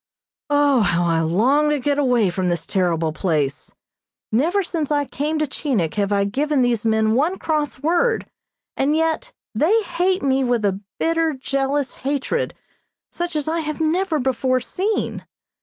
O, how I long to get away from this terrible place! Never since I came to Chinik have I given these men one cross word, and yet they hate me with a bitter, jealous hatred, such as I have never before seen.